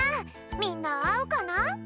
みんなあうかな？